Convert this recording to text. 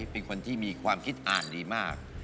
เป็นคนที่มีความคิดอ่านดีมาก